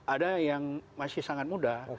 ada yang masih sangat muda